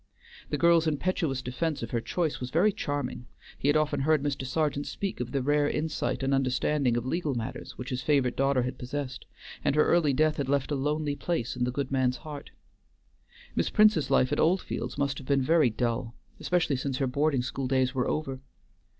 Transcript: The girl's impetuous defense of her choice was very charming; he had often heard Mr. Sergeant speak of the rare insight and understanding of legal matters which his favorite daughter had possessed, and her early death had left a lonely place in the good man's heart. Miss Prince's life at Oldfields must have been very dull, especially since her boarding school days were over.